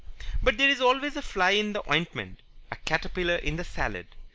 But there is always a fly in the ointment, a caterpillar in the salad.